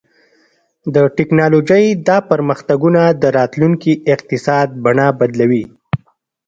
د ټیکنالوژۍ دا پرمختګونه د راتلونکي اقتصاد بڼه بدلوي.